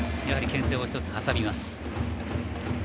けん制を１つ挟みます。